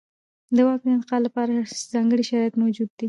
د واک د انتقال لپاره ځانګړي شرایط موجود دي.